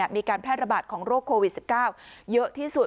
มีการแพร่ระบาดของโรคโควิด๑๙เยอะที่สุด